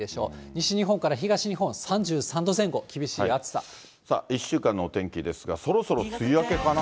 西日本から東日本、３３度前後、さあ、一週間のお天気ですが、そろそろ梅雨明けかな？